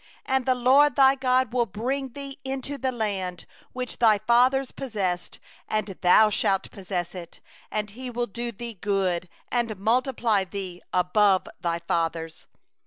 5And the LORD thy God will bring thee into the land which thy fathers possessed, and thou shalt possess it; and He will do thee good, and multiply thee above thy fathers.